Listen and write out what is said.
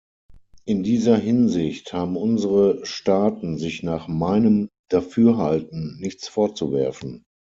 In dieser Hinsicht haben unsere Staaten sich nach meinem Dafürhalten nichts vorzuwerfen.